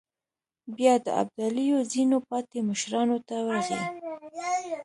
بيا د ابداليو ځينو پاتې مشرانو ته ورغی.